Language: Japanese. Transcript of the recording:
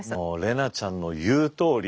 怜奈ちゃんの言うとおり。